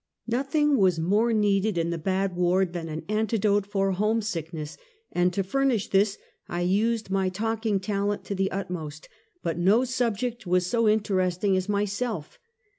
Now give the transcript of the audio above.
iN'oTHma was more needed in the bad ward, than an antidote for homesickness, and, to furnish tliis, I used nij talking talent to the utmost, but no subject was so interesting as myself.